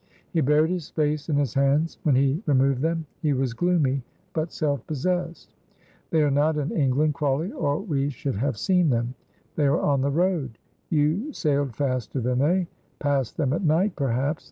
He buried his face in his hands; when he removed them, he was gloomy but self possessed. "They are not in England, Crawley, or we should have seen them. They are on the road. You sailed faster than they; passed them at night, perhaps.